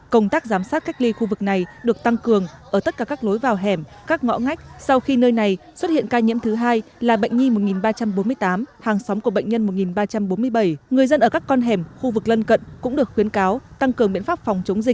công tác giám sát cách ly khu vực này được tăng cường ở tất cả các lối vào hẻm các ngõ ngách sau khi nơi này xuất hiện ca nhiễm thứ hai là bệnh nhi một ba trăm bốn mươi tám hàng xóm của bệnh nhân một ba trăm bốn mươi bảy người dân ở các con hẻm khu vực lân cận cũng được khuyến cáo tăng cường biện pháp phòng chống dịch